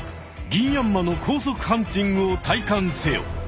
ギンヤンマの高速ハンティングを体感せよ！